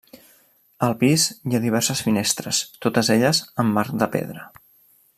Al pis hi ha diverses finestres, totes elles amb marc de pedra.